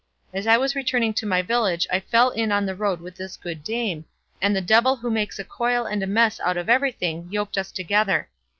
As I was returning to my village I fell in on the road with this good dame, and the devil who makes a coil and a mess out of everything, yoked us together.